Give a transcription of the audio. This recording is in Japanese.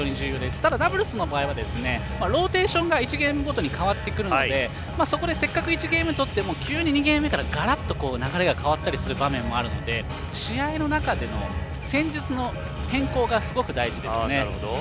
ただ、ダブルスはローテーションが１ゲームごとに変わってくるのでそこでせっかく１ゲーム取っても急に２ゲームからガラッと流れが変わったりする場面もあるので試合の中での戦術の変更がすごく大事ですね。